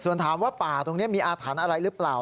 ส่วนถามว่าป่าตรงนี้มีอาถรรพ์อะไรหรือเปล่า